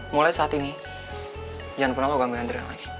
mulai saat ini jangan pernah lo gangguin adriana lagi